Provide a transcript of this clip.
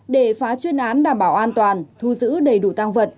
để phá chuyên án đảm bảo an toàn thu giữ đầy đủ tăng vật